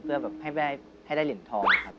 เพื่อแบบให้ได้เหรียญทองครับ